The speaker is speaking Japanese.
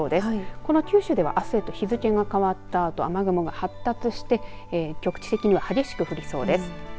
この九州ではあすへと日付が変わったあと雨雲と発達して局地的には激しく降りそうです。